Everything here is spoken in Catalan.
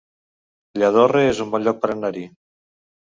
Lladorre es un bon lloc per anar-hi